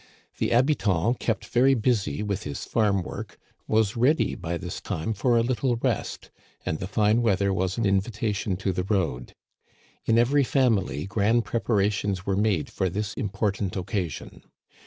The habitant, kept very busy with his farm work, was ready by this time for a little rest, and the fine weather was an invitation to the road. In every family grand preparations were made for this important occasion.